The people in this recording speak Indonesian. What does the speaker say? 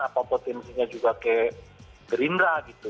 apa potensinya juga ke gerindra gitu